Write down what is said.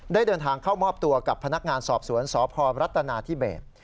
เดินทางเข้ามอบตัวกับพนักงานสอบสวนสพรัฐนาธิเบศ